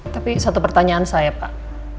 tapi satu pertanyaan saya pak